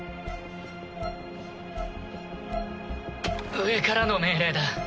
上からの命令だ。